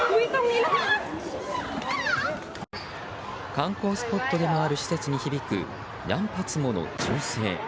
観光スポットでもある施設に響く何発もの銃声。